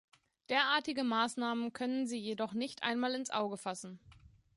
Derartige Maßnahmen können Sie jedoch nicht einmal ins Auge fassen.